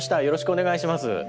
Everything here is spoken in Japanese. よろしくお願いします。